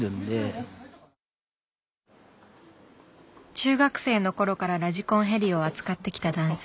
中学生の頃からラジコンヘリを扱ってきた男性。